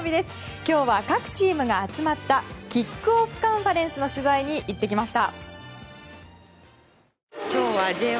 今日は、各チームが集まったキックオフカンファレンスの取材に行ってきました。